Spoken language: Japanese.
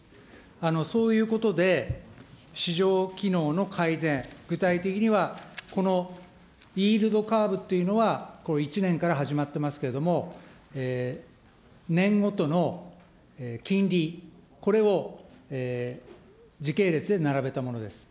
そういうことで、市場機能の改善、具体的にはこのイールドカーブっていうのは、１年から始まってますけれども、年ごとの金利、これを時系列で並べたものです。